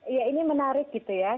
iya ini menarik gitu ya